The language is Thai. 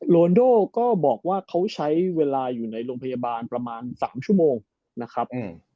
โรนโดก็บอกว่าเขาใช้เวลาอยู่ในโรงพยาบาลประมาณ๓ชั่วโมงนะครับ